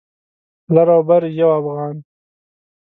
لر او بر یو افغان